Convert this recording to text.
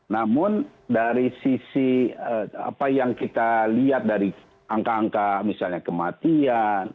namun dari sisi apa yang kita lihat dari angka angka misalnya kematian